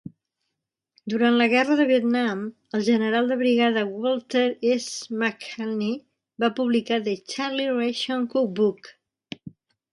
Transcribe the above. Durant la guerra de Vietnam, el general de brigada Walter S. McIlhenny va publicar "The Charlie Ration Cookbook".